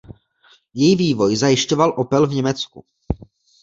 Její vývoj zajišťoval Opel v Německu.